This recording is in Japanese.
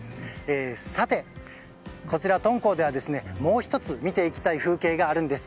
さて、こちら敦煌ではもう１つ見ていただきたい風景があります。